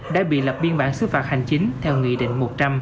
đã bị lập biên bản xứ phạt hành chính theo nghị định một trăm linh